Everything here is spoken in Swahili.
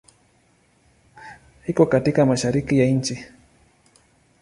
Iko katika Mashariki ya nchi.